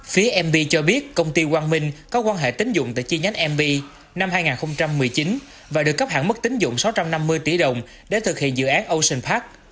phía mb cho biết công ty quang minh có quan hệ tính dụng tại chi nhánh mb năm hai nghìn một mươi chín và được cấp hạn mức tính dụng sáu trăm năm mươi tỷ đồng để thực hiện dự án ocean park